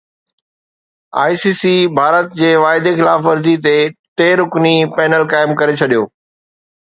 I C C Bharat جي واعدي خلاف ورزي تي ٽي رڪني پينل قائم ڪري ڇڏيو